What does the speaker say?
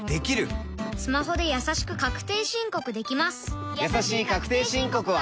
スマホでやさしく確定申告できます